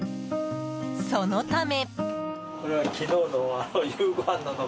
そのため。